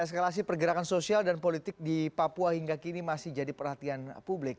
eskalasi pergerakan sosial dan politik di papua hingga kini masih jadi perhatian publik